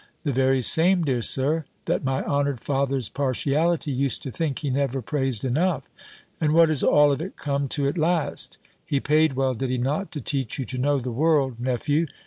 "The very same, dear Sir, that my honoured father's partiality used to think he never praised enough." "And what is all of it come to at last? He paid well, did he not, to teach you to know the world, nephew!